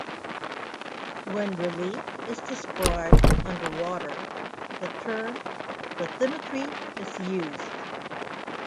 When relief is described underwater, the term bathymetry is used.